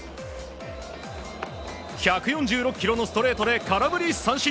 １４６キロのストレートで空振り三振！